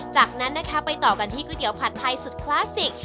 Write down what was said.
จากนั้นนะคะไปต่อกันที่ก๋วยเตี๋ยวผัดไทยสุดคลาสสิก